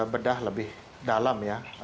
bedah lebih dalam ya